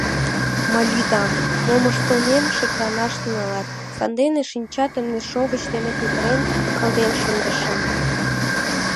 Мый лӱдам: мом ыштылмем шекланаш тӱҥалат, сандене шинчатым нершовыч дене петырен кылден шындышым.